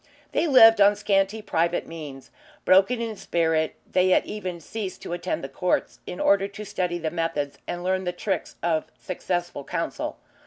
They lived on scanty private means. Broken in spirit they had even ceased to attend the courts in order to study the methods and learn the tricks of successful counsel.